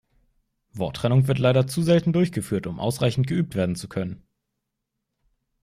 Worttrennung wird leider zu selten durchgeführt, um ausreichend geübt werden zu können.